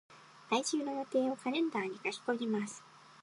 来週の予定をカレンダーに書き込みます。